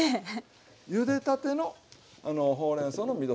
ゆでたてのほうれんそうのみそ汁。